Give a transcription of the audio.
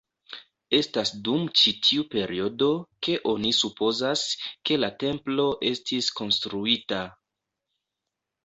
Estas dum ĉi tiu periodo, ke oni supozas, ke la templo estis konstruita.